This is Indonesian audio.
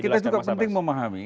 kita juga penting memahami